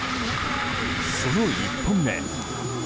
その１本目。